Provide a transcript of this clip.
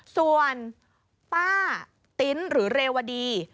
ส่วนป้าติ๊นหรือเรวดี